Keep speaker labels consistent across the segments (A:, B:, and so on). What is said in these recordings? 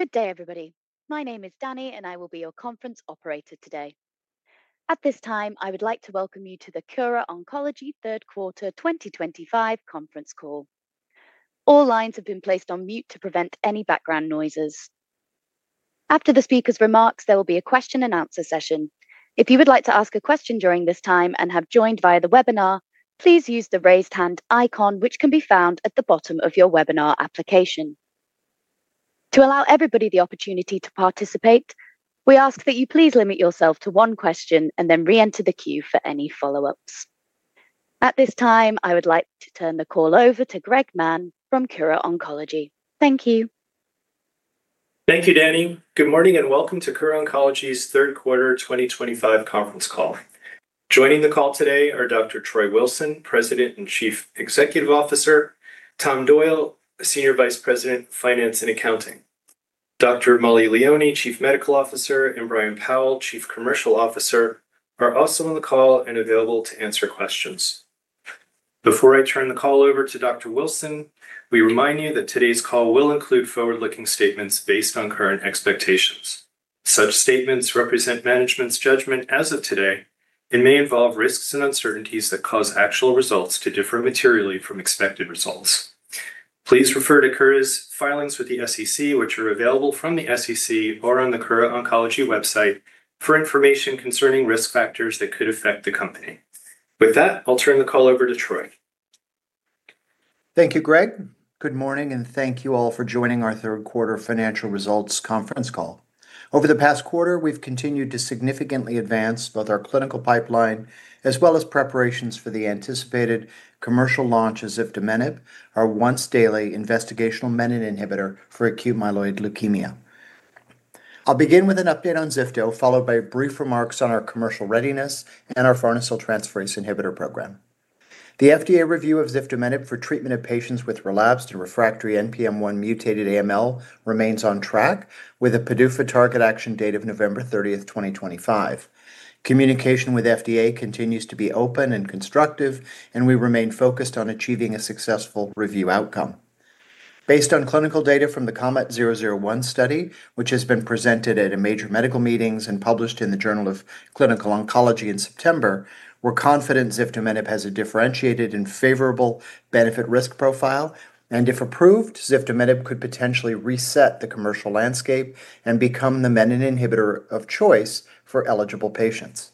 A: Good day, everybody. My name is Danny, and I will be your conference operator today. At this time, I would like to welcome you to the Kura Oncology Third Quarter 2025 conference call. All lines have been placed on mute to prevent any background noises. After the speakers' remarks, there will be a question-and-answer session. If you would like to ask a question during this time and have joined via the webinar, please use the raised hand icon, which can be found at the bottom of your webinar application. To allow everybody the opportunity to participate, we ask that you please limit yourself to one question and then re-enter the queue for any follow-ups. At this time, I would like to turn the call over to Greg Mann from Kura Oncology. Thank you.
B: Thank you, Danny. Good morning and welcome to Kura Oncology's third quarter 2025 conference call. Joining the call today are Dr. Troy Wilson, President and Chief Executive Officer; Tom Doyle, Senior Vice President, Finance and Accounting; Dr. Mollie Leoni, Chief Medical Officer; and Brian Powell, Chief Commercial Officer, are also on the call and available to answer questions. Before I turn the call over to Dr. Wilson, we remind you that today's call will include forward-looking statements based on current expectations. Such statements represent management's judgment as of today and may involve risks and uncertainties that cause actual results to differ materially from expected results. Please refer to Kura's filings with the SEC, which are available from the SEC or on the Kura Oncology website for information concerning risk factors that could affect the company. With that, I'll turn the call over to Troy.
C: Thank you, Greg. Good morning, and thank you all for joining our Third Quarter Financial Results Conference Call. Over the past quarter, we've continued to significantly advance both our clinical pipeline as well as preparations for the anticipated commercial launch of Zifduminib, our once-daily investigational menin inhibitor for acute myeloid leukemia. I'll begin with an update on Zifduminib, followed by brief remarks on our commercial readiness and our farnesyl transferase inhibitor program. The FDA review of Zifduminib for treatment of patients with relapsed and refractory NPM1-mutated AML remains on track, with a PDUFA target action date of November 30, 2025. Communication with FDA continues to be open and constructive, and we remain focused on achieving a successful review outcome. Based on clinical data from the COMET-001 study, which has been presented at major medical meetings and published in the Journal of Clinical Oncology in September, we're confident Zifduminib has a differentiated and favorable benefit-risk profile, and if approved, Zifduminib could potentially reset the commercial landscape and become the menin inhibitor of choice for eligible patients.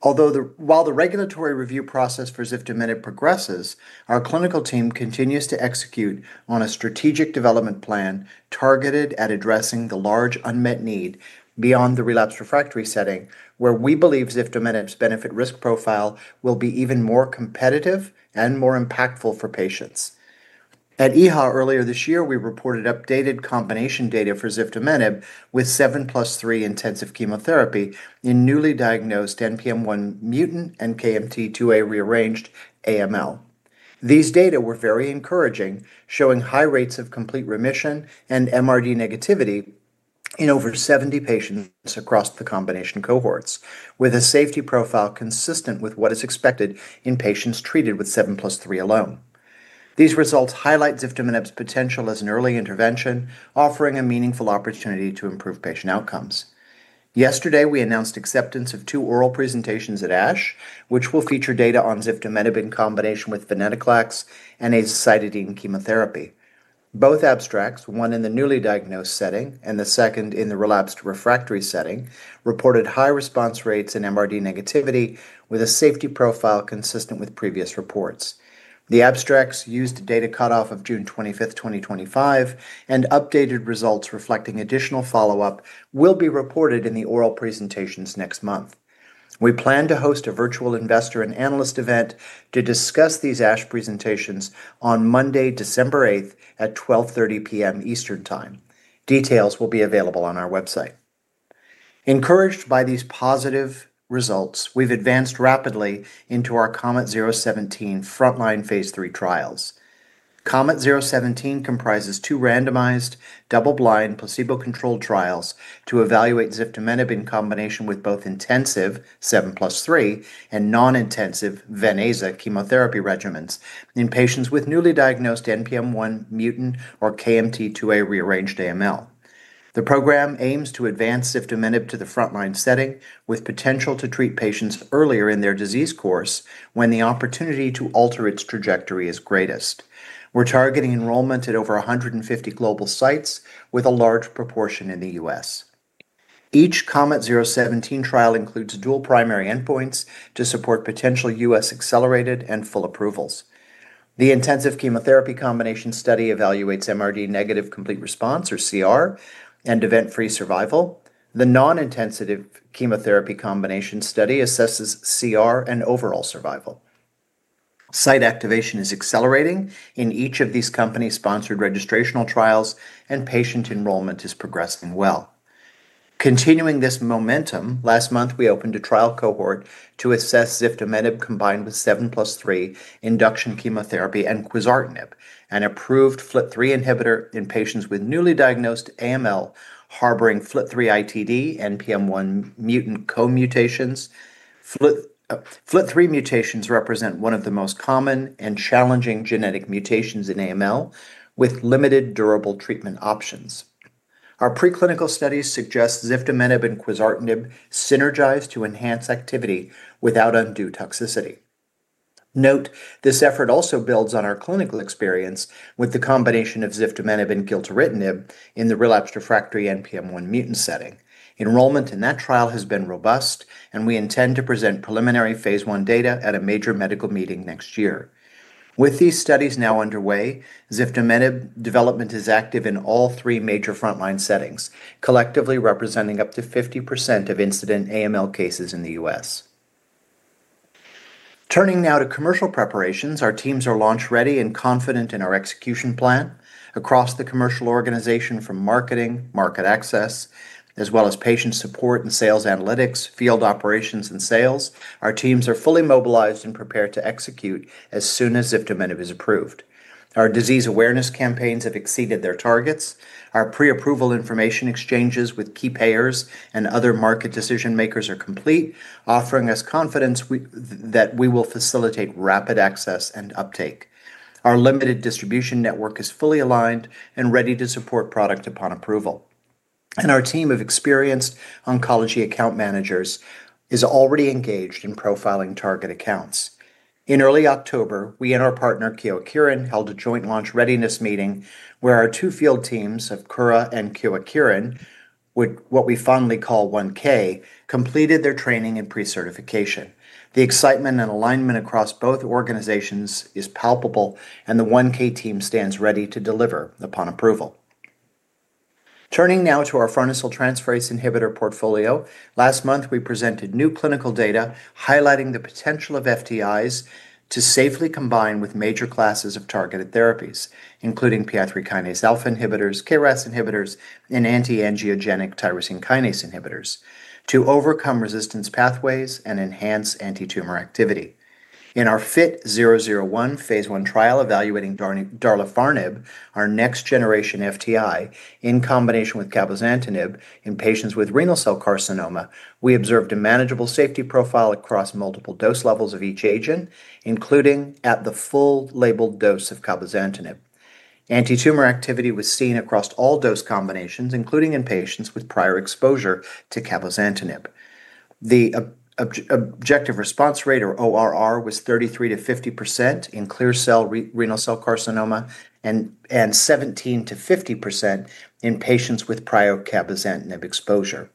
C: While the regulatory review process for Zifduminib progresses, our clinical team continues to execute on a strategic development plan targeted at addressing the large unmet need beyond the relapsed refractory setting, where we believe Zifduminib's benefit-risk profile will be even more competitive and more impactful for patients. At EHA earlier this year, we reported updated combination data for Zifduminib with 7+3 intensive chemotherapy in newly diagnosed NPM1 mutant and KMT2A rearranged AML. These data were very encouraging, showing high rates of complete remission and MRD negativity in over 70 patients across the combination cohorts, with a safety profile consistent with what is expected in patients treated with 7+3 alone. These results highlight Zifduminib's potential as an early intervention, offering a meaningful opportunity to improve patient outcomes. Yesterday, we announced acceptance of two oral presentations at ASH, which will feature data on Zifduminib in combination with venetoclax and azacitidine chemotherapy. Both abstracts, one in the newly diagnosed setting and the second in the relapsed refractory setting, reported high response rates and MRD negativity, with a safety profile consistent with previous reports. The abstracts used data cutoff of June 25, 2025, and updated results reflecting additional follow-up will be reported in the oral presentations next month. We plan to host a virtual investor and analyst event to discuss these ASH presentations on Monday, December 8, at 12:30 P.M. Eastern Time. Details will be available on our website. Encouraged by these positive results, we've advanced rapidly into our COMET-017 frontline phase 3 trials. COMET-017 comprises two randomized, double-blind, placebo-controlled trials to evaluate Zifduminib in combination with both intensive 7+3 and non-intensive venetoclax-azacitidine chemotherapy regimens in patients with newly diagnosed NPM1 mutant or KMT2A rearranged AML. The program aims to advance Zifduminib to the frontline setting, with potential to treat patients earlier in their disease course when the opportunity to alter its trajectory is greatest. We're targeting enrollment at over 150 global sites, with a large proportion in the U.S. Each COMET-017 trial includes dual primary endpoints to support potential U.S. accelerated and full approvals. The intensive chemotherapy combination study evaluates MRD negative complete response, or CR, and event-free survival. The non-intensive chemotherapy combination study assesses CR and overall survival. Site activation is accelerating in each of these company-sponsored registrational trials, and patient enrollment is progressing well. Continuing this momentum, last month we opened a trial cohort to assess Zifduminib combined with 7+3 induction chemotherapy and quizartinib, an approved FLT3 inhibitor in patients with newly diagnosed AML harboring FLT3ITD NPM1 mutant co-mutations. FLT3 mutations represent one of the most common and challenging genetic mutations in AML, with limited durable treatment options. Our preclinical studies suggest Zifduminib and quizartinib synergize to enhance activity without undue toxicity. Note, this effort also builds on our clinical experience with the combination of Zifduminib and gilteritinib in the relapsed/refractory NPM1 mutant setting. Enrollment in that trial has been robust, and we intend to present preliminary phase 1 data at a major medical meeting next year. With these studies now underway, Zifduminib development is active in all three major frontline settings, collectively representing up to 50% of incident AML cases in the U.S. Turning now to commercial preparations, our teams are launch-ready and confident in our execution plan. Across the commercial organization, from marketing, market access, as well as patient support and sales analytics, field operations, and sales, our teams are fully mobilized and prepared to execute as soon as Zifduminib is approved. Our disease awareness campaigns have exceeded their targets. Our pre-approval information exchanges with key payers and other market decision-makers are complete, offering us confidence that we will facilitate rapid access and uptake. Our limited distribution network is fully aligned and ready to support product upon approval. Our team of experienced oncology account managers is already engaged in profiling target accounts. In early October, we and our partner, Kyowa Kirin, held a joint launch readiness meeting where our two field teams of Kura and Kyowa Kirin, what we fondly call 1K, completed their training and pre-certification. The excitement and alignment across both organizations is palpable, and the 1K team stands ready to deliver upon approval. Turning now to our farnesyl transferase inhibitor portfolio, last month we presented new clinical data highlighting the potential of FTIs to safely combine with major classes of targeted therapies, including PI3 kinase alpha inhibitors, KRAS inhibitors, and anti-angiogenic tyrosine kinase inhibitors, to overcome resistance pathways and enhance anti-tumor activity. In our FIT-001 phase 1 trial evaluating darlefarinib, our next-generation FTI, in combination with cabozantinib in patients with renal cell carcinoma, we observed a manageable safety profile across multiple dose levels of each agent, including at the full-labeled dose of cabozantinib. Anti-tumor activity was seen across all dose combinations, including in patients with prior exposure to cabozantinib. The. Objective response rate, or ORR, was 33-50% in clear cell renal cell carcinoma and 17-50% in patients with prior cabozantinib exposure.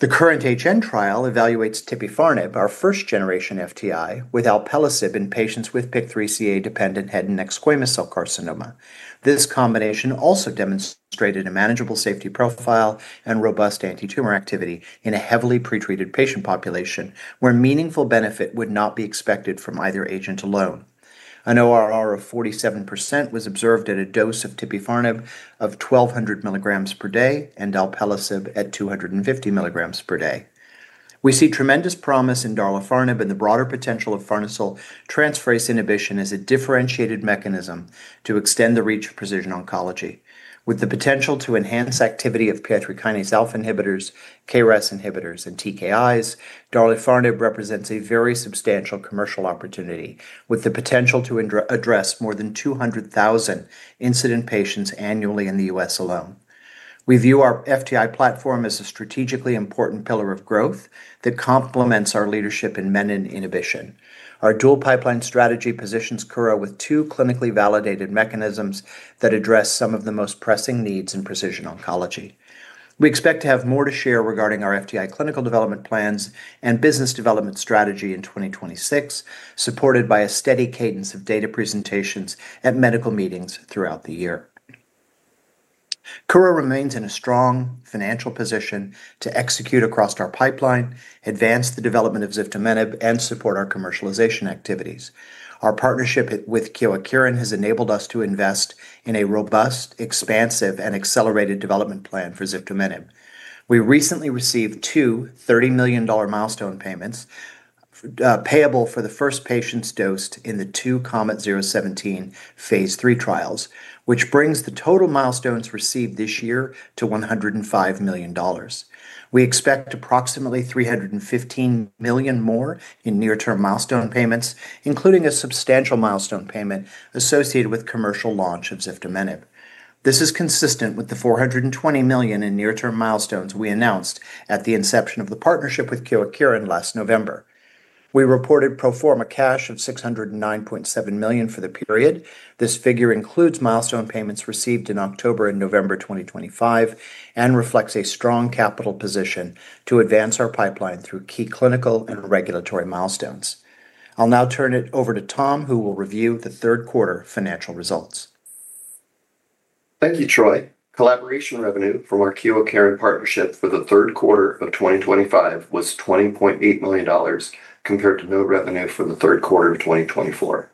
C: The current HN trial evaluates tebufarinib, our first-generation FTI, with alpelisib in patients with PIK3CA-dependent head and neck squamous cell carcinoma. This combination also demonstrated a manageable safety profile and robust anti-tumor activity in a heavily pretreated patient population, where meaningful benefit would not be expected from either agent alone. An ORR of 47% was observed at a dose of tebufarinib of 1,200 milligrams per day and alpelisib at 250 milligrams per day. We see tremendous promise in darlefarinib and the broader potential of farnesyl transferase inhibition as a differentiated mechanism to extend the reach of precision oncology. With the potential to enhance activity of PI3 kinase alpha inhibitors, KRAS inhibitors, and TKIs, darlefarinib represents a very substantial commercial opportunity, with the potential to address more than 200,000 incident patients annually in the U.S. alone. We view our FTI platform as a strategically important pillar of growth that complements our leadership in menin inhibition. Our dual pipeline strategy positions Kura with two clinically validated mechanisms that address some of the most pressing needs in precision oncology. We expect to have more to share regarding our FTI clinical development plans and business development strategy in 2026, supported by a steady cadence of data presentations at medical meetings throughout the year. Kura remains in a strong financial position to execute across our pipeline, advance the development of Zifduminib, and support our commercialization activities. Our partnership with Kyowa Kirin has enabled us to invest in a robust, expansive, and accelerated development plan for Zifduminib. We recently received two $30 million milestone payments, payable for the first patient's dose in the two COMET-017 phase 3 trials, which brings the total milestones received this year to $105 million. We expect approximately $315 million more in near-term milestone payments, including a substantial milestone payment associated with commercial launch of Zifduminib. This is consistent with the $420 million in near-term milestones we announced at the inception of the partnership with Kyowa Kirin last November. We reported pro forma cash of $609.7 million for the period. This figure includes milestone payments received in October and November 2025 and reflects a strong capital position to advance our pipeline through key clinical and regulatory milestones. I'll now turn it over to Tom, who will review the third-quarter financial results.
D: Thank you, Troy. Collaboration revenue from our Kyowa Kirin partnership for the third quarter of 2025 was $20.8 million compared to no revenue for the third quarter of 2024.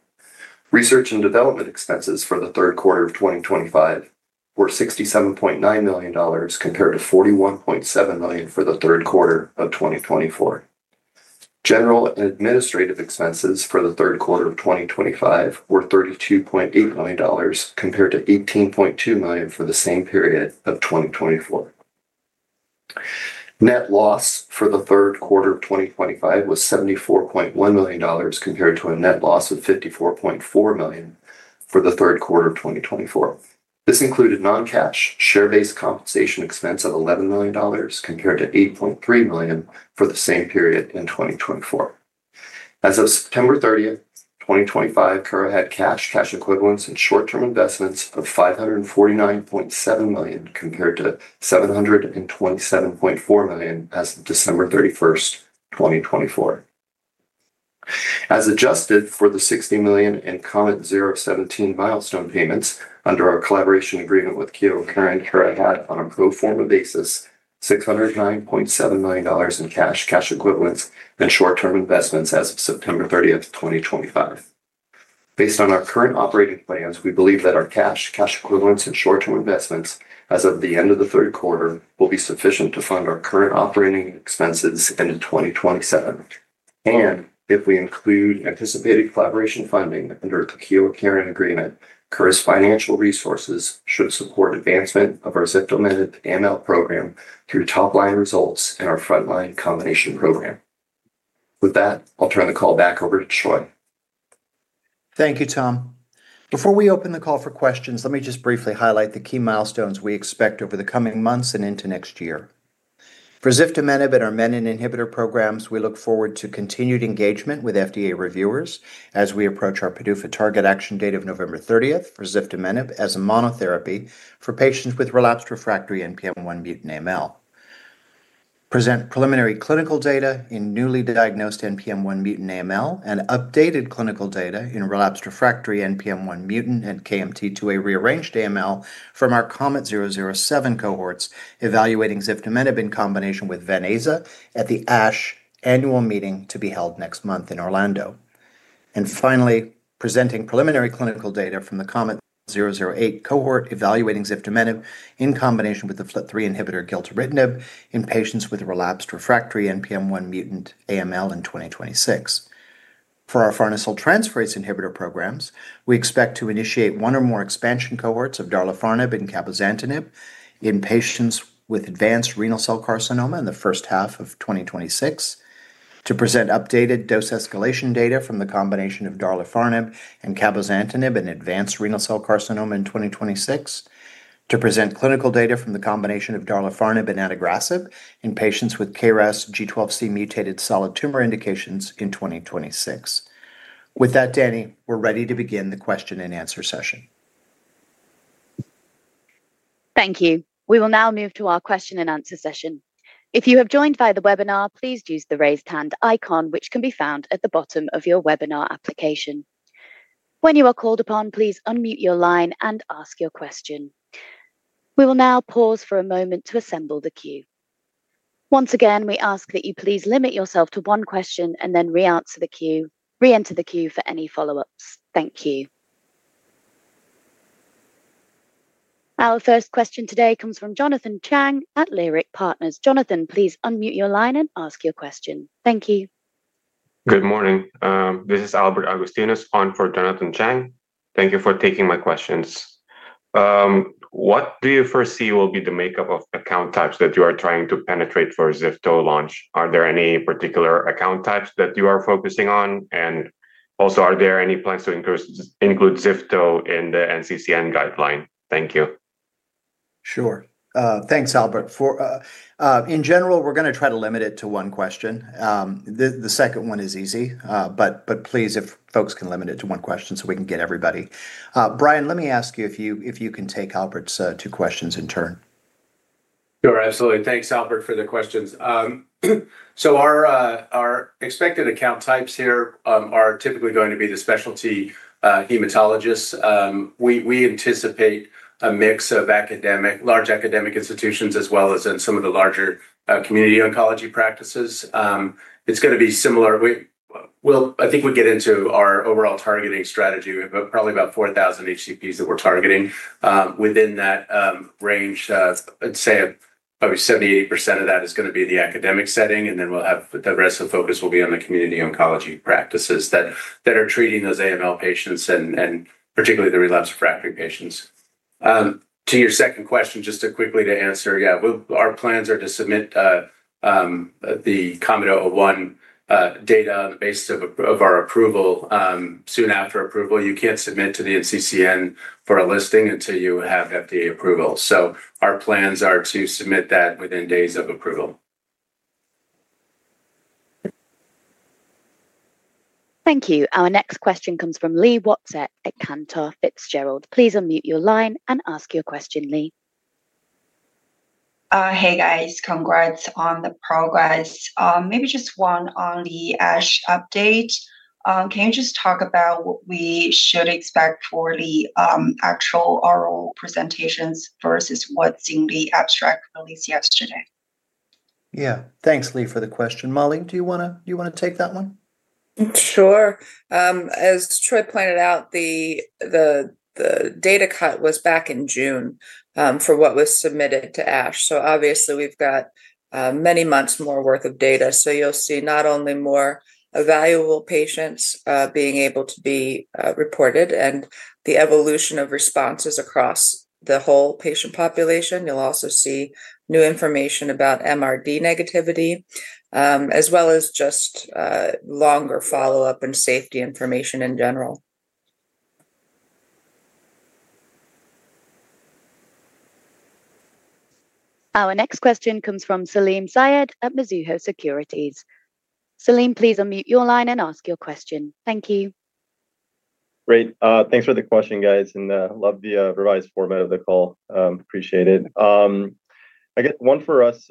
D: Research and development expenses for the third quarter of 2025 were $67.9 million compared to $41.7 million for the third quarter of 2024. General and administrative expenses for the third quarter of 2025 were $32.8 million compared to $18.2 million for the same period of 2024. Net loss for the third quarter of 2025 was $74.1 million compared to a net loss of $54.4 million for the third quarter of 2024. This included non-cash share-based compensation expense of $11 million compared to $8.3 million for the same period in 2024. As of September 30, 2025, Kura had cash, cash equivalents, and short-term investments of $549.7 million compared to $727.4 million as of December 31, 2024. As adjusted for the $60 million in COMET-017 milestone payments under our collaboration agreement with Kyowa Kirin, Kura had, on a pro forma basis, $609.7 million in cash, cash equivalents, and short-term investments as of September 30, 2025. Based on our current operating plans, we believe that our cash, cash equivalents, and short-term investments as of the end of the third quarter will be sufficient to fund our current operating expenses end of 2027. If we include anticipated collaboration funding under the Kyowa Kirin agreement, Kura's financial resources should support advancement of our Zifduminib AML program through top-line results in our frontline combination program. With that, I'll turn the call back over to Troy.
C: Thank you, Tom. Before we open the call for questions, let me just briefly highlight the key milestones we expect over the coming months and into next year. For Zifduminib and our menin inhibitor programs, we look forward to continued engagement with FDA reviewers as we approach our PDUFA target action date of November 30 for Zifduminib as a monotherapy for patients with relapsed refractory NPM1 mutant AML. Present preliminary clinical data in newly diagnosed NPM1 mutant AML and updated clinical data in relapsed refractory NPM1 mutant and KMT2A rearranged AML from our COMET-007 cohorts evaluating Zifduminib in combination with Venetoclax at the ASH annual meeting to be held next month in Orlando. Finally, presenting preliminary clinical data from the COMET-008 cohort evaluating Zifduminib in combination with the FLT3 inhibitor Gilteritinib in patients with relapsed refractory NPM1 mutant AML in 2026. For our farnesyl transferase inhibitor programs, we expect to initiate one or more expansion cohorts of Darlefarinib and Cabozantinib in patients with advanced renal cell carcinoma in the first half of 2026. To present updated dose escalation data from the combination of Darlefarinib and Cabozantinib in advanced renal cell carcinoma in 2026. To present clinical data from the combination of Darlefarinib and Adagrasib in patients with KRAS G12C mutated solid tumor indications in 2026. With that, Danny, we're ready to begin the question and answer session.
A: Thank you. We will now move to our question and answer session. If you have joined via the webinar, please use the raised hand icon, which can be found at the bottom of your webinar application. When you are called upon, please unmute your line and ask your question. We will now pause for a moment to assemble the queue. Once again, we ask that you please limit yourself to one question and then re-enter the queue for any follow-ups. Thank you. Our first question today comes from Jonathan Chang at Lyric Partners. Jonathan, please unmute your line and ask your question. Thank you. Good morning. This is Albert Agustinez, on for Jonathan Chang. Thank you for taking my questions. What do you foresee will be the makeup of account types that you are trying to penetrate for Zifduminib launch? Are there any particular account types that you are focusing on? Also, are there any plans to include Zifduminib in the NCCN guideline? Thank you.
C: Sure. Thanks, Albert. In general, we're going to try to limit it to one question. The second one is easy, but please, if folks can limit it to one question so we can get everybody. Brian, let me ask you if you can take Albert's two questions in turn.
E: Sure. Absolutely. Thanks, Albert, for the questions. Our expected account types here are typically going to be the specialty hematologists. We anticipate a mix of large academic institutions as well as in some of the larger community oncology practices. It's going to be similar. I think we'll get into our overall targeting strategy, but probably about 4,000 HCPs that we're targeting. Within that range, I'd say probably 70%-80% of that is going to be the academic setting, and then the rest of the focus will be on the community oncology practices that are treating those AML patients and particularly the relapsed refractory patients. To your second question, just to quickly answer, yeah, our plans are to submit the COMET-001 data on the basis of our approval. Soon after approval, you can't submit to the NCCN for a listing until you have FDA approval. Our plans are to submit that within days of approval.
A: Thank you. Our next question comes from Lee Watts at Cantor Fitzgerald. Please unmute your line and ask your question, Lee.
F: Hey, guys. Congrats on the progress. Maybe just one on the ASH update. Can you just talk about what we should expect for the actual oral presentations versus what's in the abstract released yesterday?
C: Yeah. Thanks, Lee, for the question. Mollie, do you want to take that one? Sure. As Troy pointed out, the data cut was back in June for what was submitted to ASH. Obviously, we've got many months more worth of data. You'll see not only more evaluable patients being able to be reported and the evolution of responses across the whole patient population. You'll also see new information about MRD negativity, as well as just longer follow-up and safety information in general.
A: Our next question comes from Salim Zayed at Mizuho Securities. Salim, please unmute your line and ask your question. Thank you.
G: Great. Thanks for the question, guys. I love the revised format of the call. Appreciate it. I guess one for us,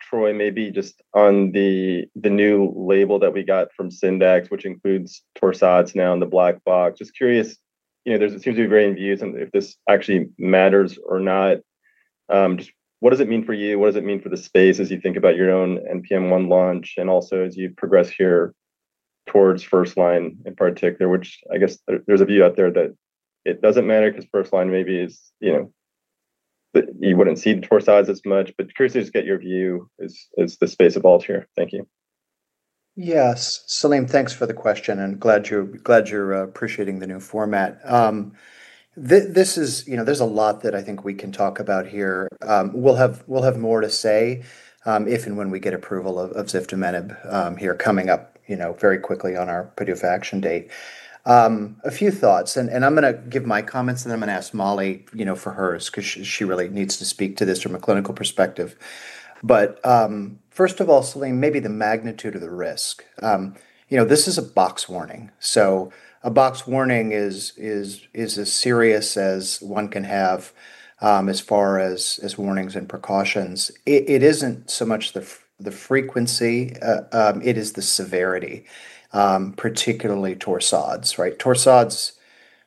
G: Troy, maybe just on the new label that we got from Syndex, which includes Torsades now in the black box. Just curious, it seems to be very imbued if this actually matters or not. Just what does it mean for you? What does it mean for the space as you think about your own NPM1 launch and also as you progress here towards first line in particular, which I guess there's a view out there that it doesn't matter because first line maybe is. You wouldn't see the Torsades as much. Curious to just get your view as the space evolves here. Thank you.
C: Yes. Salim, thanks for the question. Glad you're appreciating the new format. There's a lot that I think we can talk about here. We'll have more to say if and when we get approval of Zifduminib here coming up very quickly on our PDUFA action date. A few thoughts. I'm going to give my comments, and then I'm going to ask Mollie for hers because she really needs to speak to this from a clinical perspective. First of all, Salim, maybe the magnitude of the risk. This is a box warning. A box warning is as serious as one can have as far as warnings and precautions. It isn't so much the frequency. It is the severity. Particularly Torsades, right? Torsades,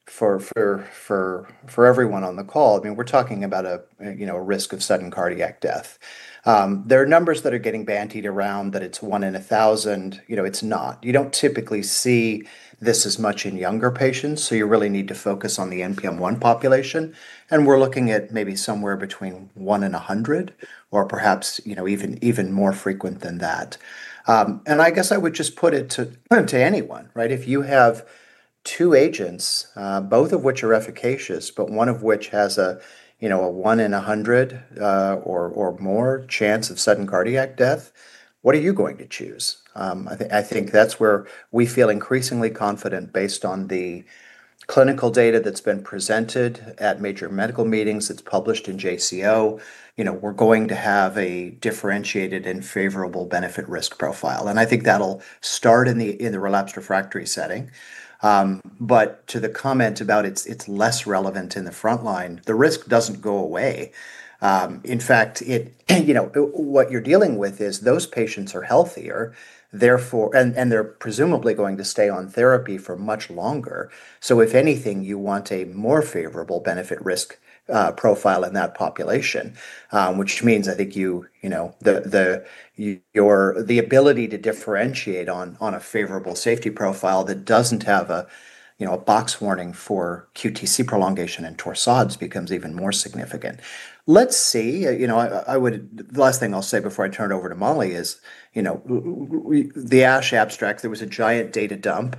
C: for everyone on the call, I mean, we're talking about a risk of sudden cardiac death. There are numbers that are getting bandied around that it's one in a thousand. It's not. You don't typically see this as much in younger patients, so you really need to focus on the NPM1 population. We're looking at maybe somewhere between one in a hundred or perhaps even more frequent than that. I guess I would just put it to anyone, right? If you have two agents, both of which are efficacious, but one of which has a one in a hundred or more chance of sudden cardiac death, what are you going to choose? I think that's where we feel increasingly confident based on the clinical data that's been presented at major medical meetings, it's published in JCO. We're going to have a differentiated and favorable benefit-risk profile. I think that'll start in the relapsed refractory setting. To the comment about it's less relevant in the frontline, the risk doesn't go away. In fact, what you're dealing with is those patients are healthier, and they're presumably going to stay on therapy for much longer. If anything, you want a more favorable benefit-risk profile in that population, which means I think the ability to differentiate on a favorable safety profile that doesn't have a box warning for QTc prolongation and Torsades becomes even more significant. Let's see. The last thing I'll say before I turn it over to Mollie is the ASH abstract, there was a giant data dump.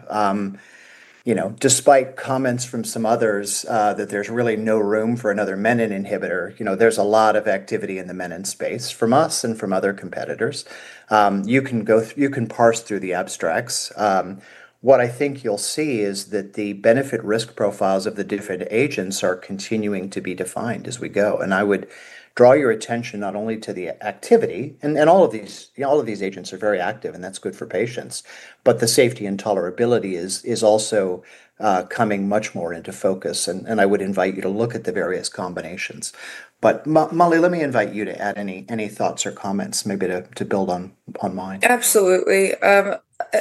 C: Despite comments from some others that there's really no room for another menin inhibitor, there's a lot of activity in the menin inhibitor space from us and from other competitors. You can parse through the abstracts. What I think you'll see is that the benefit-risk profiles of the different agents are continuing to be defined as we go. I would draw your attention not only to the activity, and all of these agents are very active, and that's good for patients, but the safety and tolerability is also coming much more into focus. I would invite you to look at the various combinations. Mollie, let me invite you to add any thoughts or comments, maybe to build on mine. Absolutely.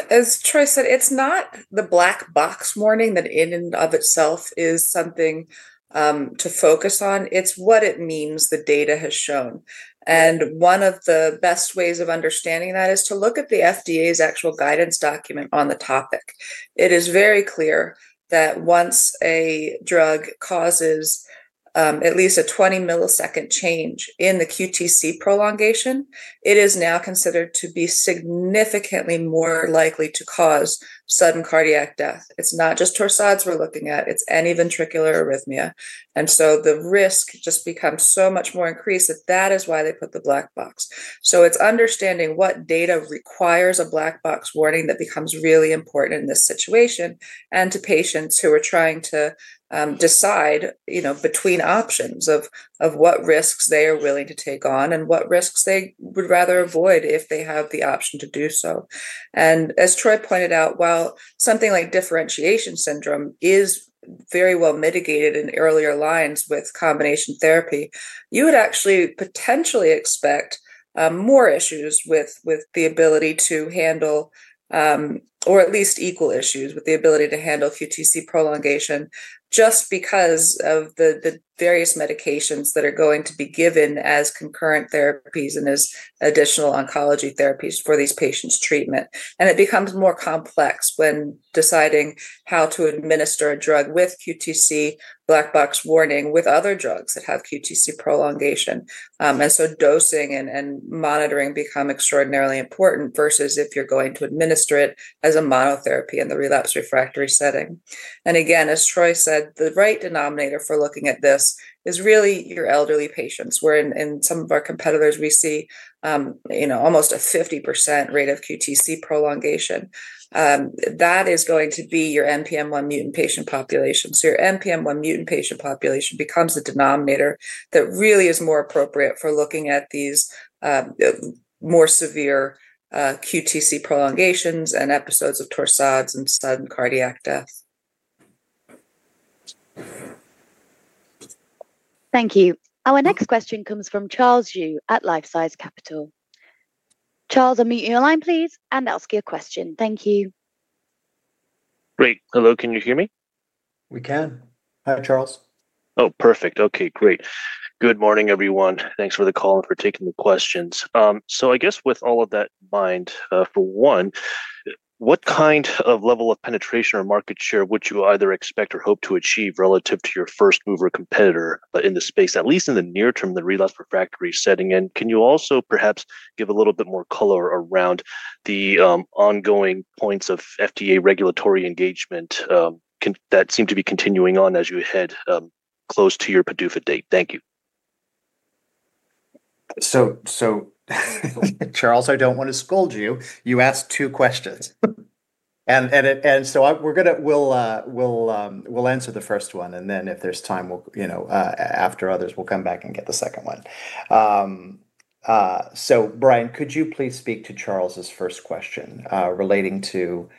C: As Troy said, it's not the black box warning that in and of itself is something to focus on. It's what it means the data has shown. One of the best ways of understanding that is to look at the FDA's actual guidance document on the topic. It is very clear that once a drug causes at least a 20-millisecond change in the QTc prolongation, it is now considered to be significantly more likely to cause sudden cardiac death. It's not just Torsades we're looking at. It's any ventricular arrhythmia. The risk just becomes so much more increased that that is why they put the black box. It's understanding what data requires a black box warning that becomes really important in this situation and to patients who are trying to decide between options of what risks they are willing to take on and what risks they would rather avoid if they have the option to do so. As Troy pointed out, while something like differentiation syndrome is very well mitigated in earlier lines with combination therapy, you would actually potentially expect more issues with the ability to handle, or at least equal issues with the ability to handle, QTc prolongation just because of the various medications that are going to be given as concurrent therapies and as additional oncology therapies for these patients' treatment. It becomes more complex when deciding how to administer a drug with QTc black box warning with other drugs that have QTc prolongation. Dosing and monitoring become extraordinarily important versus if you're going to administer it as a monotherapy in the relapsed/refractory setting. Again, as Troy said, the right denominator for looking at this is really your elderly patients, where in some of our competitors, we see almost a 50% rate of QTc prolongation. That is going to be your NPM1 mutant patient population. Your NPM1 mutant patient population becomes the denominator that really is more appropriate for looking at these more severe QTc prolongations and episodes of Torsades and sudden cardiac death.
A: Thank you. Our next question comes from Charles Yu at LifeSize Capital. Charles, unmute your line, please, and ask your question. Thank you.
H: Great. Hello. Can you hear me?
C: We can. Hi, Charles.
F: Oh, perfect. Okay, great. Good morning, everyone. Thanks for the call and for taking the questions. I guess with all of that in mind, for one, what kind of level of penetration or market share would you either expect or hope to achieve relative to your first mover competitor in the space, at least in the near term, the relapsed/refractory setting? Can you also perhaps give a little bit more color around the ongoing points of FDA regulatory engagement that seem to be continuing on as you head close to your PDUFA date? Thank you.
C: Charles, I do not want to scold you. You asked two questions. We will answer the first one, and then if there is time after others, we will come back and get the second one. Brian, could you please speak to Charles' first question relating to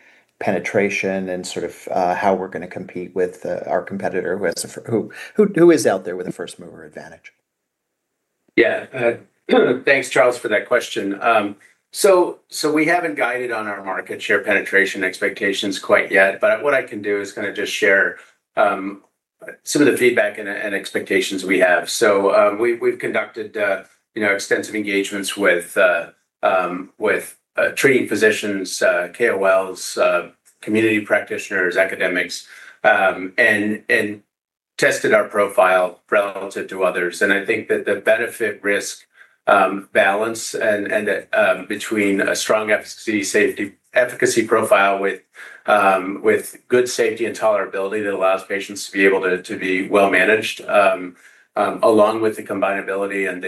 C: penetration and sort of how we are going to compete with our competitor who is out there with a first mover advantage?
E: Yeah. Thanks, Charles, for that question. We haven't guided on our market share penetration expectations quite yet. What I can do is kind of just share some of the feedback and expectations we have. We've conducted extensive engagements with treating physicians, KOLs, community practitioners, academics, and tested our profile relative to others. I think that the benefit-risk balance between a strong efficacy safety efficacy profile with good safety and tolerability that allows patients to be able to be well managed, along with the combinability and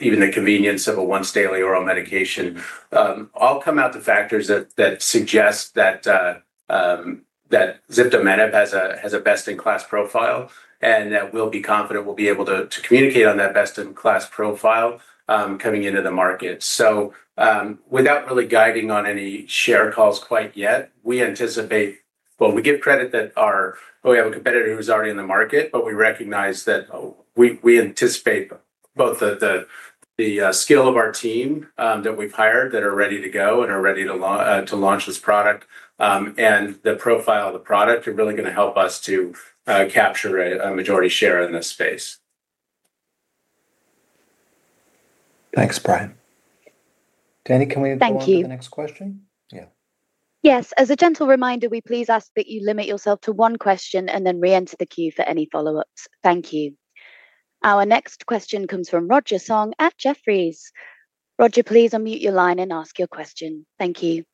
E: even the convenience of a once-daily oral medication, all come out to factors that suggest that Zifduminib has a best-in-class profile and that we'll be confident we'll be able to communicate on that best-in-class profile coming into the market. Without really guiding on any share calls quite yet, we anticipate, we give credit that we have a competitor who's already in the market, but we recognize that. We anticipate both the skill of our team that we've hired that are ready to go and are ready to launch this product and the profile of the product are really going to help us to capture a majority share in this space.
C: Thanks, Brian. Danny, can we move on to the next question?
A: Thank you. Yes. As a gentle reminder, we please ask that you limit yourself to one question and then re-enter the queue for any follow-ups. Thank you. Our next question comes from Roger Song at Jefferies. Roger, please unmute your line and ask your question. Thank you.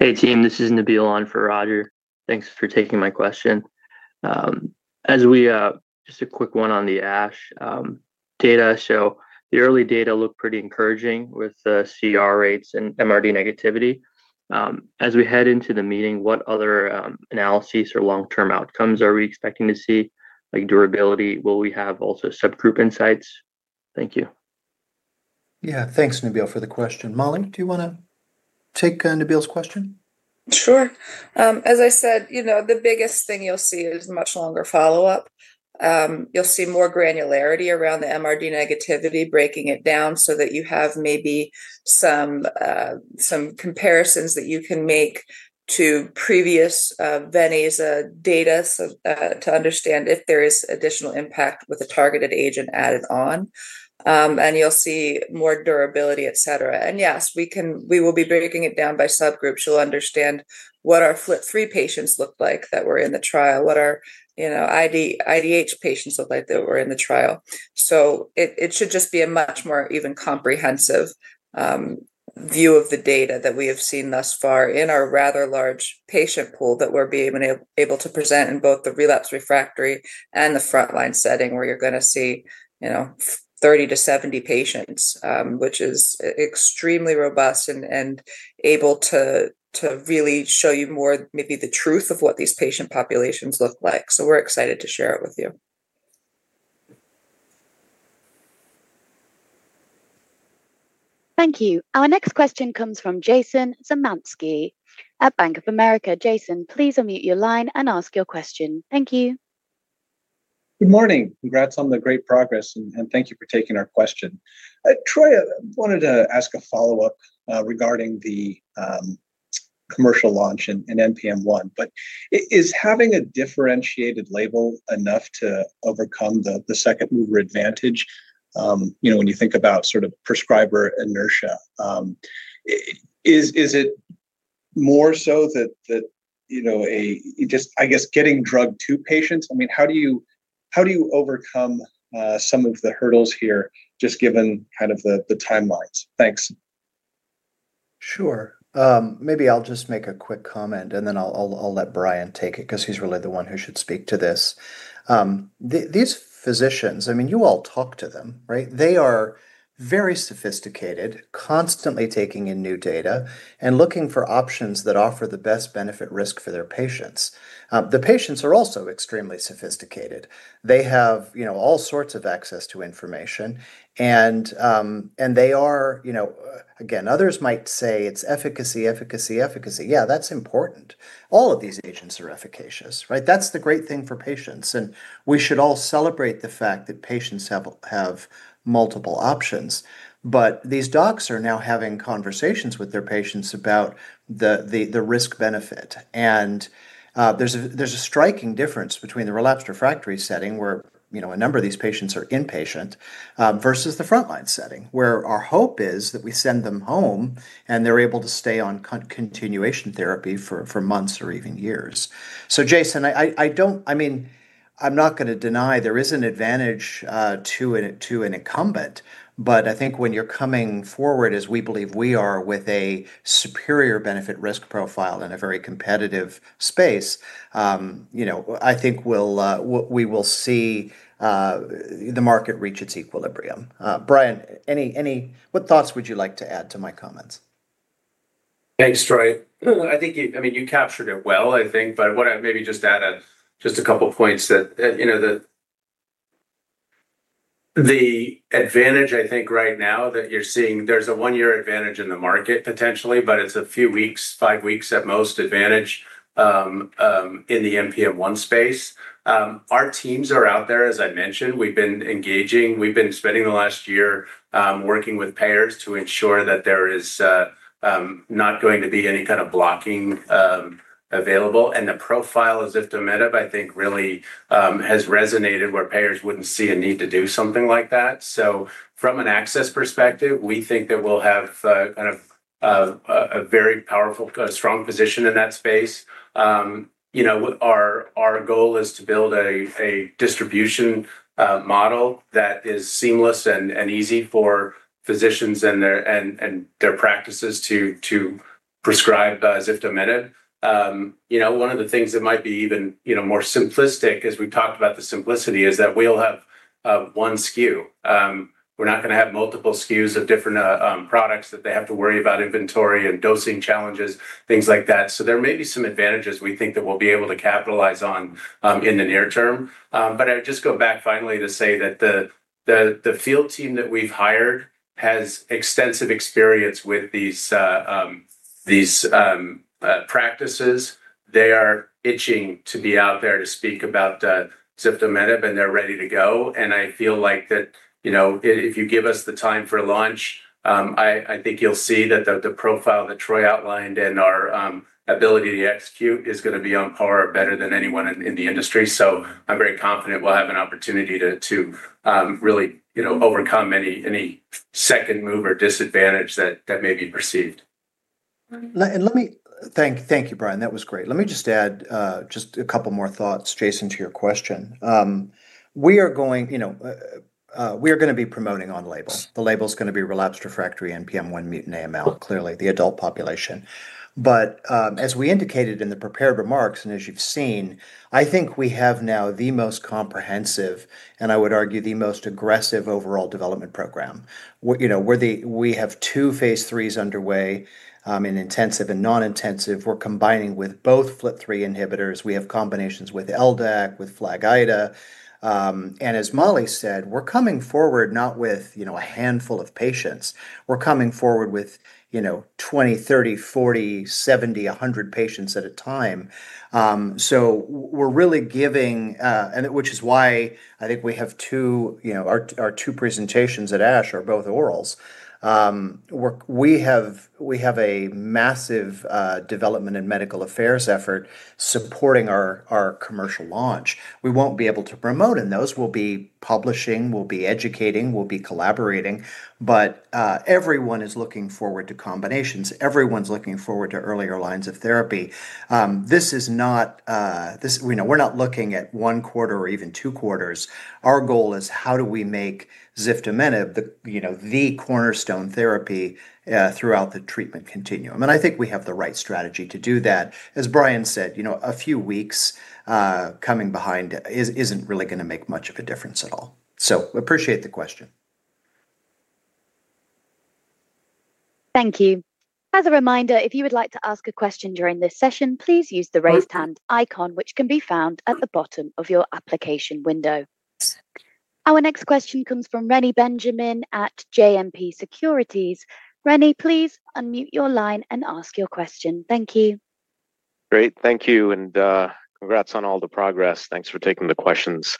I: Hey, team. This is Nabeel on for Roger. Thanks for taking my question. Just a quick one on the ASH data. So the early data look pretty encouraging with CR rates and MRD negativity. As we head into the meeting, what other analyses or long-term outcomes are we expecting to see? Like durability? Will we have also subgroup insights? Thank you.
C: Yeah. Thanks, Nabeel, for the question. Mollie, do you want to take Nabeel's question? Sure. As I said, the biggest thing you'll see is much longer follow-up. You'll see more granularity around the MRD negativity, breaking it down so that you have maybe some comparisons that you can make to previous venetoclax data to understand if there is additional impact with a targeted agent added on. You'll see more durability, etc. Yes, we will be breaking it down by subgroups. You'll understand what our FLT3 patients look like that were in the trial, what our IDH patients look like that were in the trial. It should just be a much more even, comprehensive view of the data that we have seen thus far in our rather large patient pool that we're being able to present in both the relapsed/refractory and the frontline setting where you're going to see 30-70 patients, which is extremely robust and able to really show you more, maybe the truth of what these patient populations look like. We're excited to share it with you.
A: Thank you. Our next question comes from Jason Zamanski at Bank of America. Jason, please unmute your line and ask your question. Thank you.
J: Good morning. Congrats on the great progress, and thank you for taking our question. Troy, I wanted to ask a follow-up regarding the commercial launch in NPM1. But is having a differentiated label enough to overcome the second mover advantage? When you think about sort of prescriber inertia. Is it more so that just, I guess, getting drug to patients? I mean, how do you overcome some of the hurdles here just given kind of the timelines? Thanks.
C: Sure. Maybe I'll just make a quick comment, and then I'll let Brian take it because he's really the one who should speak to this. These physicians, I mean, you all talk to them, right? They are very sophisticated, constantly taking in new data and looking for options that offer the best benefit-risk for their patients. The patients are also extremely sophisticated. They have all sorts of access to information. They are, again, others might say it's efficacy, efficacy, efficacy. Yeah, that's important. All of these agents are efficacious, right? That's the great thing for patients. We should all celebrate the fact that patients have multiple options. These docs are now having conversations with their patients about the risk-benefit. There's a striking difference between the relapsed refractory setting where a number of these patients are inpatient versus the frontline setting where our hope is that we send them home and they're able to stay on continuation therapy for months or even years. Jason, I mean, I'm not going to deny there is an advantage to an incumbent, but I think when you're coming forward, as we believe we are with a superior benefit-risk profile in a very competitive space, I think we will see the market reach its equilibrium. Brian, what thoughts would you like to add to my comments?
E: Thanks, Troy. I mean, you captured it well, I think. I want to maybe just add just a couple of points. The advantage, I think, right now that you're seeing, there's a one-year advantage in the market potentially, but it's a few weeks, five weeks at most, advantage in the NPM1 space. Our teams are out there, as I mentioned. We've been engaging. We've been spending the last year working with payers to ensure that there is not going to be any kind of blocking available. The profile of Zifduminib, I think, really has resonated where payers wouldn't see a need to do something like that. From an access perspective, we think that we'll have kind of a very powerful, strong position in that space. Our goal is to build a distribution model that is seamless and easy for physicians and their practices to prescribe Zifduminib. One of the things that might be even more simplistic, as we talked about the simplicity, is that we'll have one SKU. We're not going to have multiple SKUs of different products that they have to worry about inventory and dosing challenges, things like that. There may be some advantages we think that we'll be able to capitalize on in the near term. I would just go back finally to say that the field team that we've hired has extensive experience with these practices. They are itching to be out there to speak about Zifduminib, and they're ready to go. I feel like that if you give us the time for launch, I think you'll see that the profile that Troy outlined and our ability to execute is going to be on par or better than anyone in the industry. I'm very confident we'll have an opportunity to really overcome any second mover disadvantage that may be perceived.
C: Thank you, Brian. That was great. Let me just add just a couple more thoughts, Jason, to your question. We are going to be promoting on-label. The label is going to be relapsed refractory NPM1 mutant AML, clearly the adult population. As we indicated in the prepared remarks and as you've seen, I think we have now the most comprehensive and I would argue the most aggressive overall development program. We have two phase 3s underway in intensive and non-intensive. We're combining with both FLT3 inhibitors. We have combinations with LDAC, with FLAG-IDA. As Mollie said, we're coming forward not with a handful of patients. We're coming forward with 20, 30, 40, 70, 100 patients at a time. We're really giving, which is why I think we have two. Our two presentations at ASH are both orals. We have a massive development and medical affairs effort supporting our commercial launch. We won't be able to promote, and those will be publishing, we'll be educating, we'll be collaborating. Everyone is looking forward to combinations. Everyone's looking forward to earlier lines of therapy. This is not. We're not looking at one quarter or even two quarters. Our goal is how do we make Zifduminib the cornerstone therapy throughout the treatment continuum? I think we have the right strategy to do that. As Brian said, a few weeks coming behind isn't really going to make much of a difference at all. Appreciate the question.
A: Thank you. As a reminder, if you would like to ask a question during this session, please use the raised hand icon, which can be found at the bottom of your application window. Our next question comes from Renny Benjamin at JMP Securities. Renny, please unmute your line and ask your question. Thank you.
K: Great. Thank you. Congrats on all the progress. Thanks for taking the questions.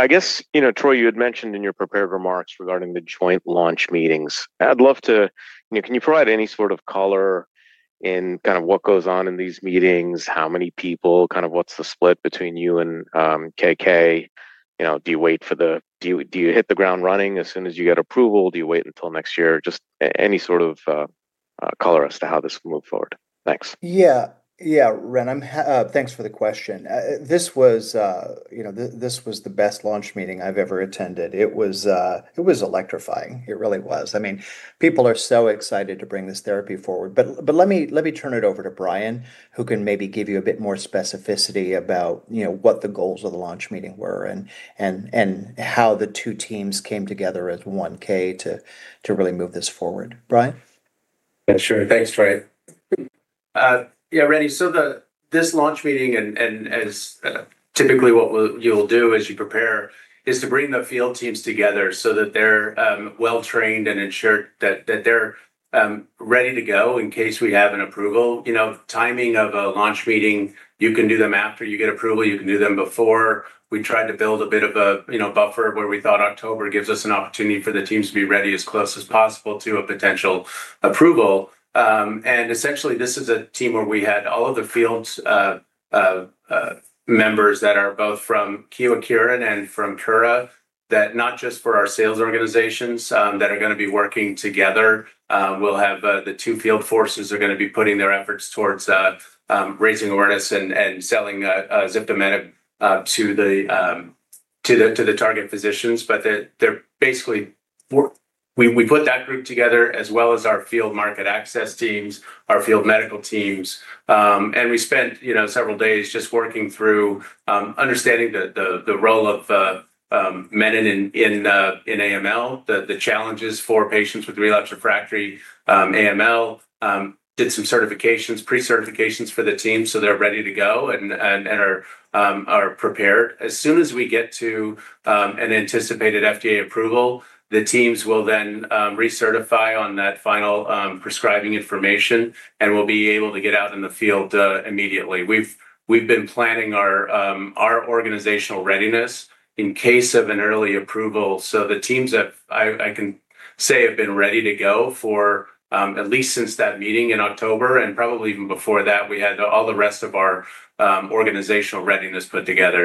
K: I guess, Troy, you had mentioned in your prepared remarks regarding the joint launch meetings. I'd love to, can you provide any sort of color in kind of what goes on in these meetings, how many people, kind of what's the split between you and KK? Do you wait for the, do you hit the ground running as soon as you get approval? Do you wait until next year? Just any sort of color as to how this will move forward. Thanks.
C: Yeah. Yeah, Ren, thanks for the question. This was the best launch meeting I've ever attended. It was electrifying. It really was. I mean, people are so excited to bring this therapy forward. Let me turn it over to Brian, who can maybe give you a bit more specificity about what the goals of the launch meeting were and how the two teams came together as one K to really move this forward. Brian?
E: Yeah, sure. Thanks, Troy. Yeah, Renny, so this launch meeting, and as typically what you'll do as you prepare, is to bring the field teams together so that they're well-trained and ensure that they're ready to go in case we have an approval. Timing of a launch meeting, you can do them after you get approval. You can do them before. We tried to build a bit of a buffer where we thought October gives us an opportunity for the teams to be ready as close as possible to a potential approval. Essentially, this is a team where we had all of the field members that are both from Kyowa Kirin and from Kura that not just for our sales organizations that are going to be working together. We'll have the two field forces that are going to be putting their efforts towards raising awareness and selling Zifduminib to the target physicians. We put that group together as well as our field market access teams, our field medical teams. We spent several days just working through understanding the role of menin in AML, the challenges for patients with relapsed/refractory AML. Did some certifications, pre-certifications for the teams so they're ready to go and are prepared. As soon as we get to an anticipated FDA approval, the teams will then recertify on that final prescribing information and will be able to get out in the field immediately. We've been planning our organizational readiness in case of an early approval. The teams that I can say have been ready to go for at least since that meeting in October and probably even before that, we had all the rest of our organizational readiness put together.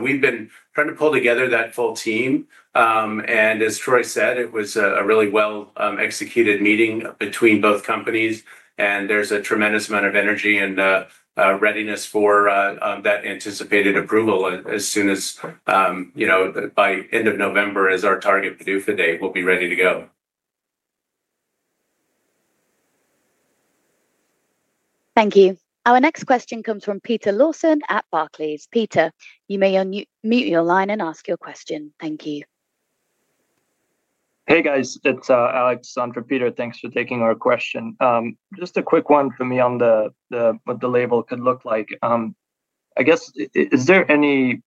E: We've been trying to pull together that full team. As Troy said, it was a really well-executed meeting between both companies. There's a tremendous amount of energy and readiness for that anticipated approval as soon as by end of November is our target PDUFA day, we'll be ready to go.
A: Thank you. Our next question comes from Peter Lawson at Barclays. Peter, you may unmute your line and ask your question. Thank you.
L: Hey, guys. It's Alex. I'm from Peter. Thanks for taking our question. Just a quick one for me on what the label could look like. I guess, is there any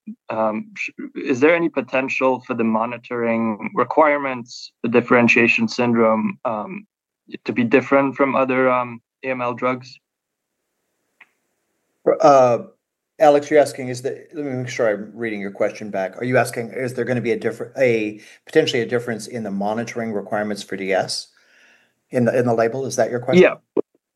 L: potential for the monitoring requirements, the differentiation syndrome, to be different from other AML drugs? Alex, you're asking, let me make sure I'm reading your question back. Are you asking, is there going to be a, potentially a difference in the monitoring requirements for DS in the label? Is that your question? Yeah.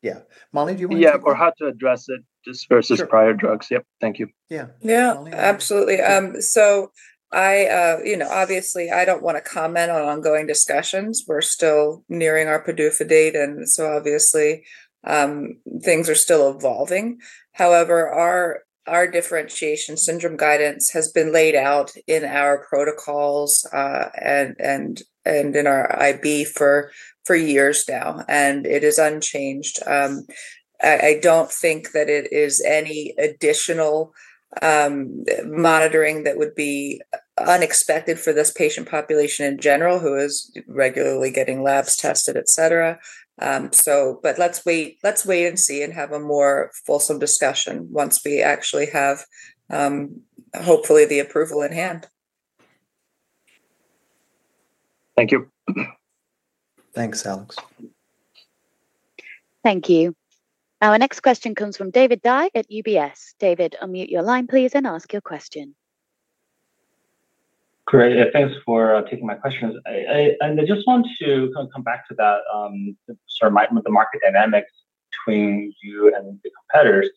L: Yeah. Mollie, do you want to? Yeah, or how to address it just versus prior drugs. Yep. Thank you.
M: Yeah. Yeah, absolutely. Obviously, I don't want to comment on ongoing discussions. We're still nearing our PDUFA date, and obviously things are still evolving. However, our differentiation syndrome guidance has been laid out in our protocols and in our IB for years now, and it is unchanged. I don't think that it is any additional monitoring that would be unexpected for this patient population in general who is regularly getting labs tested, etc. Let's wait and see and have a more fulsome discussion once we actually have, hopefully, the approval in hand.
C: Thank you. Thanks, Alex.
A: Thank you. Our next question comes from David Dye at UBS. David, unmute your line, please, and ask your question.
N: Great. Thanks for taking my questions. I just want to kind of come back to that. Sort of the market dynamics between you and the competitors.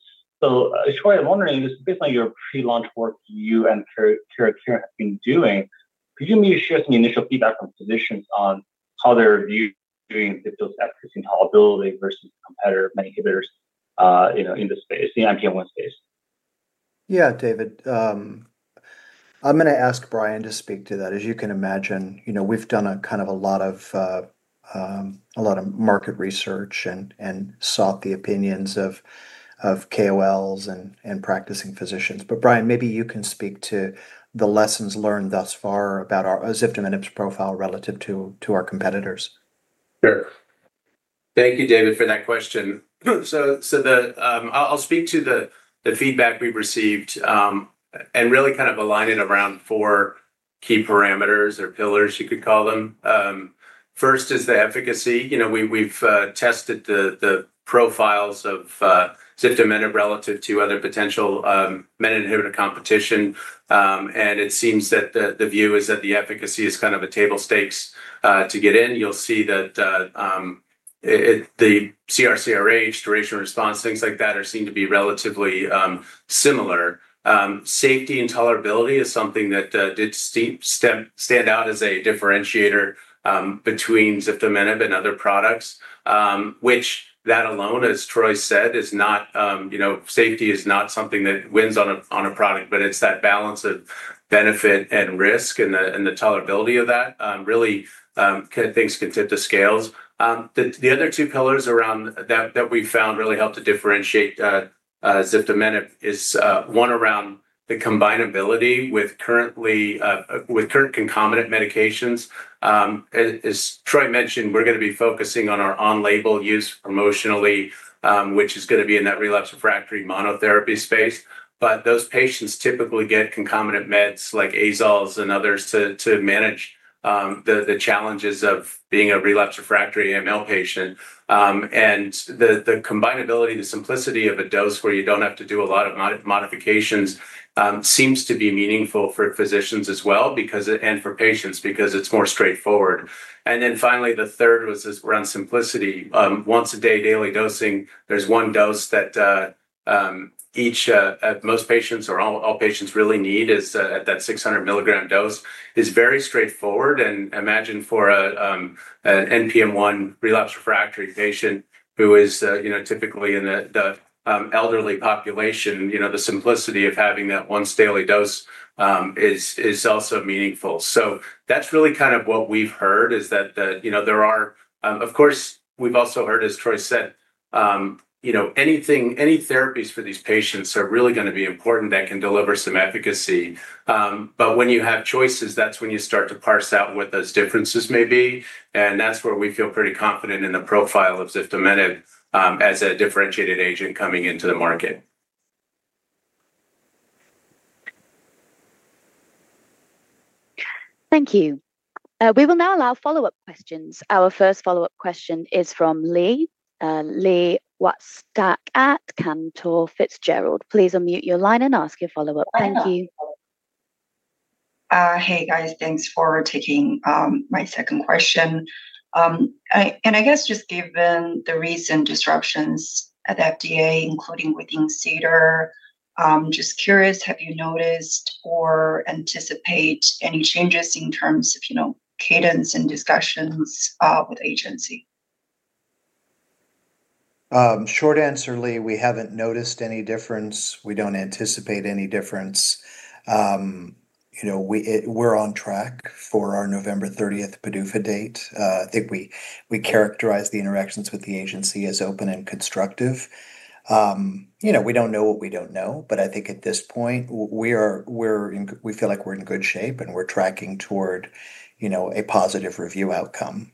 N: Troy, I'm wondering, just based on your pre-launch work you and Kyowa Kirin have been doing, could you maybe share some initial feedback from physicians on how they're viewing Zifduminib's efficacy and tolerability versus competitor medications in the space, the NPM1 space? Yeah, David. I'm going to ask Brian to speak to that. As you can imagine, we've done kind of a lot of market research and sought the opinions of KOLs and practicing physicians. Brian, maybe you can speak to the lessons learned thus far about our Zifduminib's profile relative to our competitors.
E: Sure. Thank you, David, for that question. I'll speak to the feedback we've received. I really kind of align it around four key parameters or pillars, you could call them. First is the efficacy. We've tested the profiles of Zifduminib relative to other potential medication competition, and it seems that the view is that the efficacy is kind of a table stakes to get in. You'll see that the CR, CRh, duration of response, things like that are seen to be relatively similar. Safety and tolerability is something that did stand out as a differentiator between Zifduminib and other products, which that alone, as Troy said, is—safety is not something that wins on a product, but it's that balance of benefit and risk and the tolerability of that really kind of things can tip the scales. The other two pillars around that we found really helped to differentiate Zifduminib is one around the combinability with current concomitant medications. As Troy mentioned, we're going to be focusing on our on-label use promotionally, which is going to be in that relapsed refractory monotherapy space. Those patients typically get concomitant meds like azoles and others to manage the challenges of being a relapsed refractory AML patient. The combinability, the simplicity of a dose where you don't have to do a lot of modifications, seems to be meaningful for physicians as well and for patients because it's more straightforward. Finally, the third was around simplicity. Once a day daily dosing, there's one dose that each—most patients or all patients really need is at that 600 milligram dose, is very straightforward. Imagine for an NPM1 relapsed refractory patient who is typically in the elderly population, the simplicity of having that once daily dose is also meaningful. That's really kind of what we've heard is that there are—of course, we've also heard, as Troy said, any therapies for these patients are really going to be important that can deliver some efficacy. When you have choices, that's when you start to parse out what those differences may be. That's where we feel pretty confident in the profile of Zifduminib as a differentiated agent coming into the market.
A: Thank you. We will now allow follow-up questions. Our first follow-up question is from Lee. Lee, with Stack at Cantor Fitzgerald, please unmute your line and ask your follow-up. Thank you.
F: Hey, guys. Thanks for taking my second question. I guess just given the recent disruptions at FDA, including within CDER, just curious, have you noticed or anticipate any changes in terms of cadence and discussions with the agency?
C: Short answer, Lee, we haven't noticed any difference. We don't anticipate any difference. We're on track for our November 30th PDUFA date. I think we characterize the interactions with the agency as open and constructive. We don't know what we don't know, but I think at this point, we feel like we're in good shape and we're tracking toward a positive review outcome.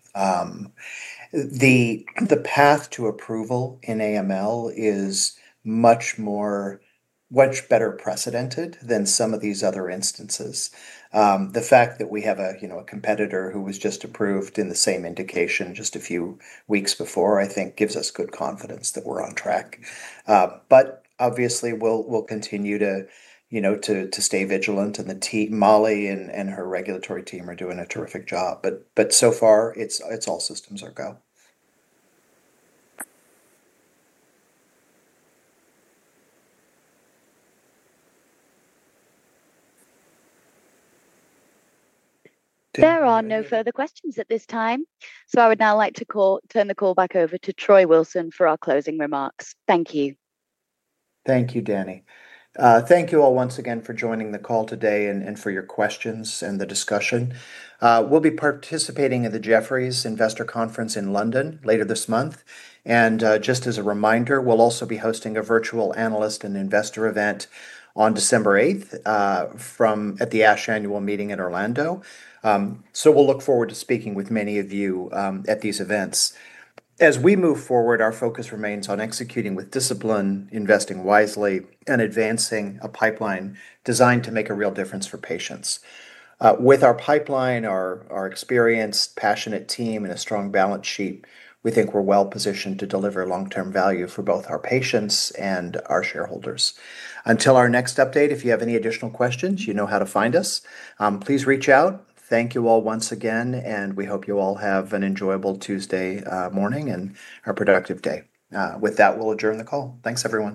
C: The path to approval in AML is much better precedented than some of these other instances. The fact that we have a competitor who was just approved in the same indication just a few weeks before, I think, gives us good confidence that we're on track. Obviously, we'll continue to stay vigilant, and Mollie and her regulatory team are doing a terrific job. So far, it's all systems are go.
A: There are no further questions at this time. So I would now like to turn the call back over to Troy Wilson for our closing remarks. Thank you.
C: Thank you, Danny. Thank you all once again for joining the call today and for your questions and the discussion. We'll be participating in the Jefferies Investor Conference in London later this month. Just as a reminder, we'll also be hosting a virtual analyst and investor event on December 8th at the Ash Annual Meeting in Orlando. We look forward to speaking with many of you at these events. As we move forward, our focus remains on executing with discipline, investing wisely, and advancing a pipeline designed to make a real difference for patients. With our pipeline, our experienced, passionate team, and a strong balance sheet, we think we're well positioned to deliver long-term value for both our patients and our shareholders. Until our next update, if you have any additional questions, you know how to find us. Please reach out. Thank you all once again, and we hope you all have an enjoyable Tuesday morning and a productive day. With that, we'll adjourn the call. Thanks, everyone.